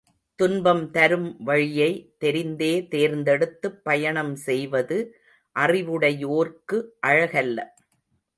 துன்பம் தரும் வழியை தெரிந்தே தேர்ந்தெடுத்துப் பயணம் செய்வது, அறிவுடையோர்க்கு அழகல்ல.